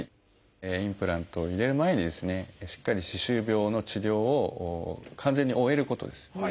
インプラントを入れる前にですねしっかり歯周病の治療を完全に終えることです。